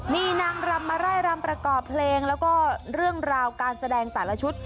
มีนางรำมาไล่รำประกอบเพลงแล้วก็เรื่องราวการแสดงแต่ละชุด